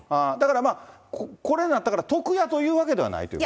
だからまあ、これになったから得やというわけではない？